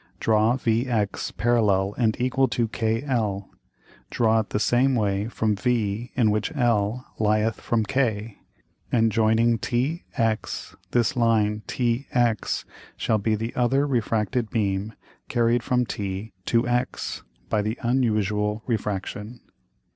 Draw VX parallel and equal to KL. Draw it the same way from V in which L lieth from K; and joining TX, this line TX shall be the other refracted beam carried from T to X, by the unusual Refraction.